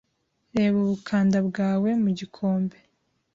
Reba ubukanda bwawe mu gikombe